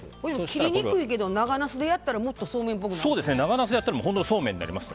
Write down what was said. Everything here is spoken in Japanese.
切りにくいけど長ナスでやったらもっとそうめんっぽくなる？